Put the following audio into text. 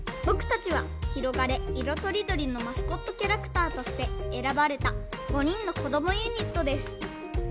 ぼくたちは「ひろがれ！いろとりどり」のマスコットキャラクターとしてえらばれた５にんのこどもユニットです。